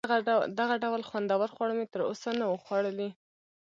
دغه ډول خوندور خواړه مې تر اوسه نه وه خوړلي.